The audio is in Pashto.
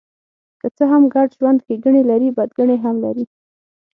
که څه هم ګډ ژوند ښېګڼې لري، بدګڼې هم لري.